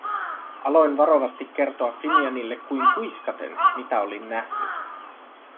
Aloin varovasti kertoa Finianille kuin kuiskaten, mitä olin nähnyt.